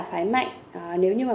phải mạnh nếu như mà